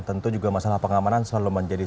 tentu juga masalah pengamanan selalu menjadi